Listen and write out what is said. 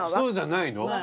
そうじゃないの？